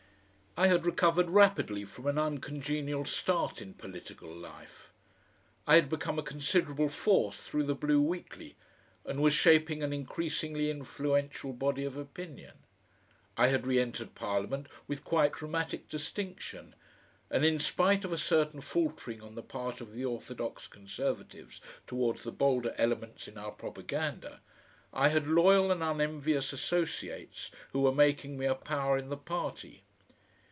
I had recovered rapidly from an uncongenial start in political life; I had become a considerable force through the BLUE WEEKLY, and was shaping an increasingly influential body of opinion; I had re entered Parliament with quite dramatic distinction, and in spite of a certain faltering on the part of the orthodox Conservatives towards the bolder elements in our propaganda, I had loyal and unenvious associates who were making me a power in the party.